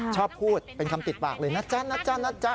ชอบพูดเป็นคำติดปากเลยนะจ๊ะนะจ๊ะนะจ๊ะ